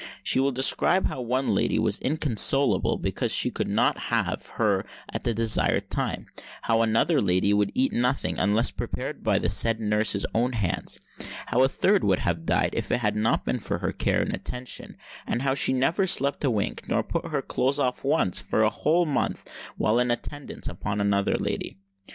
She will describe how one lady was inconsolable because she could not have her at the desired time; how another lady would eat nothing unless prepared by the said nurse's own hands; how a third would have died if it had not been for her care and attention; and how she never slept a wink nor put her clothes off once for a whole month while in attendance upon another lady.